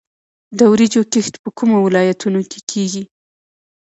د وریجو کښت په کومو ولایتونو کې کیږي؟